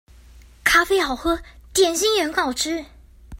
咖啡好喝，點心也很好吃